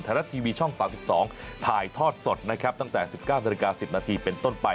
รัฐทีวีช่อง๓๒ถ่ายทอดสดนะครับตั้งแต่๑๙นาฬิกา๑๐นาทีเป็นต้นไป